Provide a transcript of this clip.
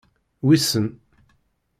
Wissen.